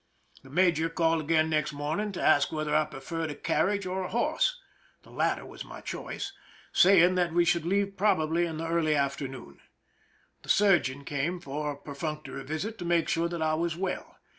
The major called again next morning, to ask whether I preferred a carriage or a horse,— the latter was my choice,— saying that we should leave probably in the early afternoon. The surgeon came for a perfunctory visit to make sure that i: was well.